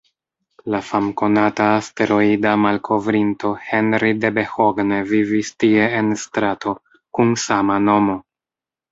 La famkonata asteroida malkovrinto Henri Debehogne vivis tie en strato kun sama nomo.